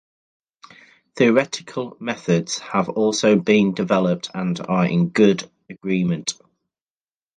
Theoretical methods have also been developed and are in good agreement.